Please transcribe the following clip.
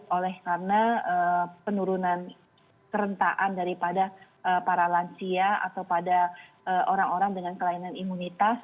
oleh karena penurunan kerentaan daripada para lansia atau pada orang orang dengan kelainan imunitas